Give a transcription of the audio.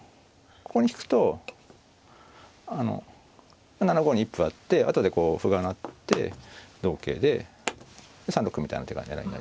ここに引くと７五に一歩あって後でこう歩が成って同桂で３六歩みたいな手が狙いになりますね。